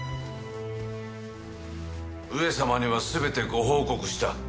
上様には全てご報告した。